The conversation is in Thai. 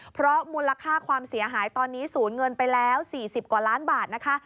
เพราะมูลค่าความเสียหายตอนนี้ศูนย์เงินไปแล้ว๔๐กว่าล้านบาทนะคะ